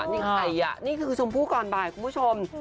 นี่ใครอ่ะนี่คือชมพู่ก่อนบ่ายคุณผู้ชม